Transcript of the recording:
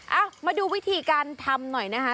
เอ้ามาดูวิธีการทำหน่อยนะคะ